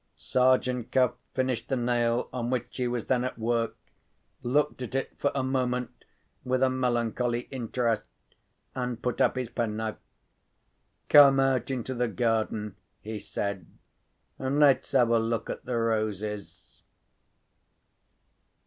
Sergeant Cuff finished the nail on which he was then at work, looked at it for a moment with a melancholy interest, and put up his penknife. "Come out into the garden," he said, "and let's have a look at the roses."